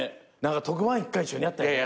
特番１回一緒にやったよね。